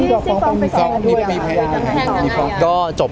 ยังไม่รู้สึกเหมือนกันนะครับ